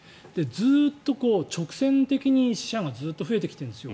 ずっと直線的に死者が増えてきてるんですよ。